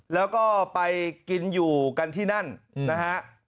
แล้วก็ไปกินอยู่กันที่นั่นนะฮะ